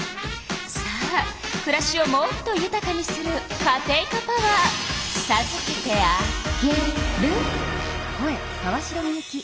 さあくらしをもっとゆたかにするカテイカパワーさずけてあげる。